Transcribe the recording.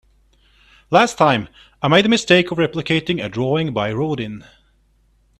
Last time, I made the mistake of replicating a drawing by Rodin.